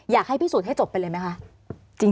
อยากให้พิสูจน์ให้จบไปเลยไหมคะ